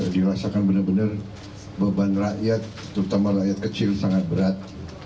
dirasakan benar benar beban rakyat terutama rakyat kecil sangat berat